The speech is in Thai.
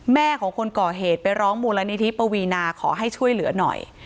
แม่ของคนก่อเหตุไปร้องมูลนิธิปวีนาขอให้ช่วยเหลือหน่อย